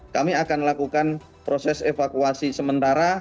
kami akan lakukan proses evakuasi sementara